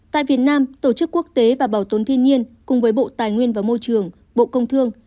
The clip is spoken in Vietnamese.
tại việt nam tổ chức quốc tế và bảo tồn thiên nhiên cùng với bộ tài nguyên và môi trường bộ công thương